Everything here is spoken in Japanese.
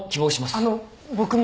あの僕も。